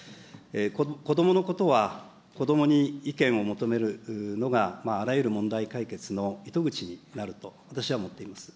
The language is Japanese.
こどものことは、こどもに意見を求めるのがあらゆる問題解決の糸口になると、私は思っています。